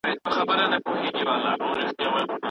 خپلو ماشومانو ته له کوچنیوالي څخه د پښتو ژبې ادب ور زده کړئ.